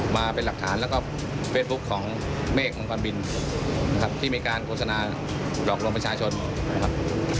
มาเป็นหลักฐานและก็เฟสบุ๊คของเมฆมงคลบินที่มีการโฆษณาหลอกลวงประชาชนนะครับ